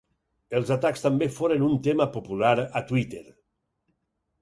Els atacs també foren un tema popular a Twitter.